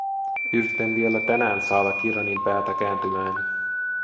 Yritän vielä tänään saada Kiranin päätä kääntymään.